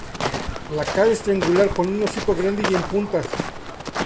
La cara es triangular con un hocico grande y en punta.